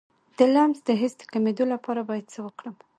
د لمس د حس د کمیدو لپاره باید څه وکړم؟